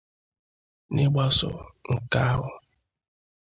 N'ịgbasò nke ahụ